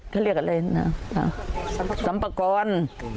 เขาเรียกอะไรสำปากร